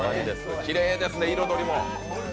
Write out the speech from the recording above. きれいですね、彩りも。